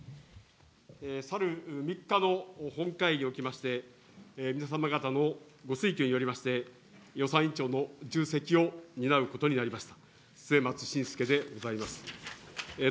去る３日の本会議におきまして、皆様方のご推挙によりまして、予算委員長の重責を担うことになりました、末松信介でございます。